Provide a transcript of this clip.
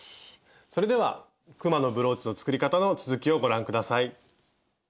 それではくまのブローチの作り方の続きをご覧下さい。